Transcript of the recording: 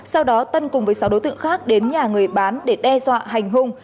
sau đó tân cùng với sáu đối tượng khác đến nhà người bán để đe dọa hành hung